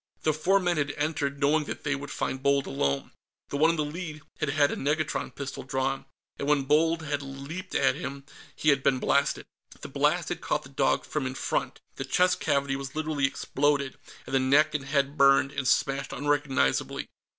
The four men had entered, knowing that they would find Bold alone. The one in the lead had had a negatron pistol drawn, and when Bold had leaped at them, he had been blasted. The blast had caught the dog from in front the chest cavity was literally exploded, and the neck and head burned and smashed unrecognizably.